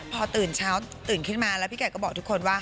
พอตื่นเช้าตื่นขึ้นมาแล้วพี่ไก่ก็บอกทุกคนว่า